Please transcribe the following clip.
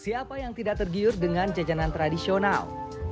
siapa yang tidak tergiur dengan jajanan tradisional